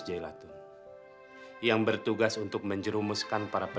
aku memang service